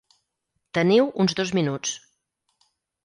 Teniu uns dos minuts.